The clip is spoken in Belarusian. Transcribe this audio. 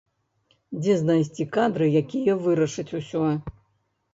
Дзе знайсці кадры, якія вырашаць усё?